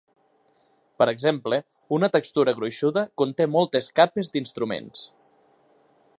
Per exemple, una textura gruixuda conté moltes "capes" d'instruments.